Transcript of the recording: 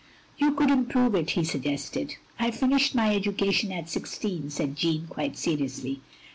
" "You could improve it," he suggested. "I finished my education at sixteen," said Jeanne, quite seriously.